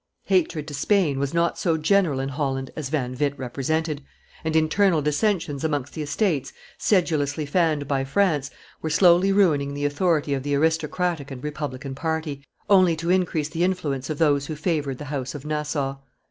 Hatred to Spain was not so general in Holland as Van Witt represented; and internal dissensions amongst the Estates, sedulously fanned by France, were slowly ruining the authority of the aristocratic and republican party, only to increase the influence of those who favored the house of Nassau.